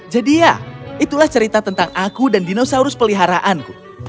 jadi ya itulah cerita tentang aku dan dinosaurus peliharaanku